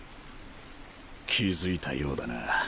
気付いたようだな。